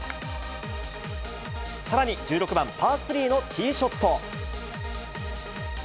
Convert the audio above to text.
さらに１６番パー３のティーショット。